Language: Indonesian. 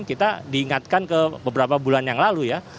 kita diingatkan ke beberapa bulan yang lalu ya